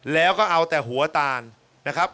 แล้วก็เอาแต่หัวตาลนะครับ